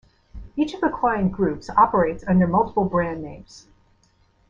Each of the client groups operates under multiple brand names.